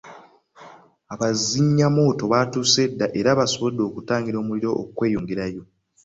Abazimyamwoto baatuuse dda era basobodde okutangira omuliro okweyongerayo.